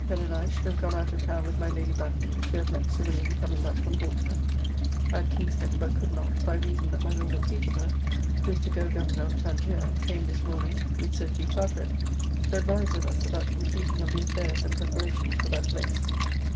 Pen and I should have gone out of town with my Lady Batten, to have met Sir William coming back from Portsmouth; at Kingston, but could not, by reason that my Lord of Peterborough (who is to go Governor of Tangier) came this morning, with Sir G. Carteret, to advise with us about completing of the affairs and preparacions for that place.